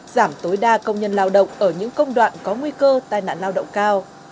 giảm tối đa công nhân lao động ở những công đoạn có nguy cơ tai nạn lao động cao